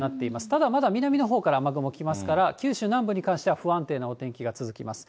ただ、まだ南のほうから雨雲来ますから、九州南部に関しては不安定なお天気が続きます。